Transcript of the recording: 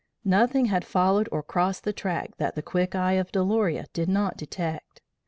Nothing had followed or crossed the track that the quick eye of Daloria did not detect.